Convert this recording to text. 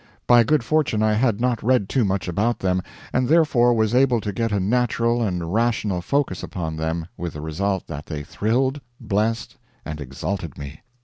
By good fortune I had not read too much about them, and therefore was able to get a natural and rational focus upon them, with the result that they thrilled, blessed, and exalted me.